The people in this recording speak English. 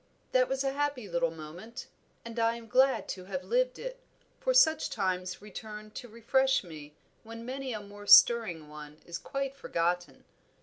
That was a happy little moment, and I am glad to have lived it, for such times return to refresh me when many a more stirring one is quite forgotten."